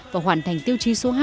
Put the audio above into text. và hoàn thành tiêu chí số hai